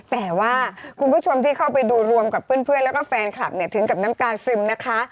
แต่ว่าคุณผู้ชมที่เข้าไปดูรวมกับเพื่อนแล้วก็แฟนคลับเนี่ยถึงกับน้ำตาซึมนะคะ